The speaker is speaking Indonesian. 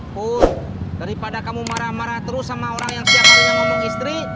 pun daripada kamu marah marah terus sama orang yang setiap harinya ngomong istri